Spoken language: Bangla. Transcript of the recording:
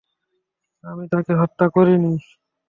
আমি তাকে হত্যা করিনি।